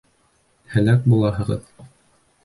Һәләк булаһығыҙ!